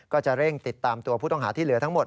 ก็จะเร่งติดตามตัวผู้ต้องหาที่เหลือทั้งหมด